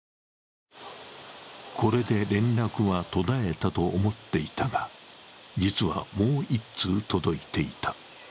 これで連絡は途絶えたと思っていたが、実はもう１通届いていた。